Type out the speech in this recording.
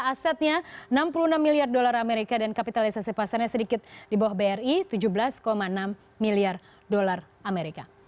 asetnya enam puluh enam miliar dolar amerika dan kapitalisasi pasarnya sedikit di bawah bri tujuh belas enam miliar dolar amerika